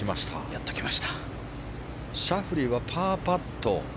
シャフリーはパーパット。